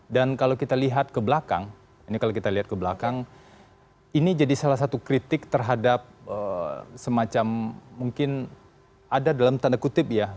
dan kalau kita lihat ke belakang ini jadi salah satu kritik terhadap semacam mungkin ada dalam tanda kutip ya